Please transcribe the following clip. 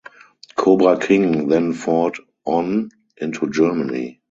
Cobra King then fought on into Germany.